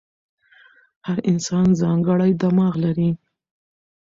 هر انسان ځانګړی دماغ لري.